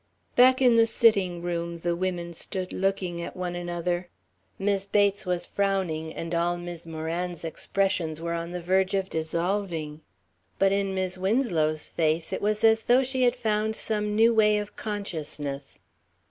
Back in the sitting room the women stood looking at one another. Mis' Bates was frowning and all Mis' Moran's expressions were on the verge of dissolving; but in Mis' Winslow's face it was as though she had found some new way of consciousness.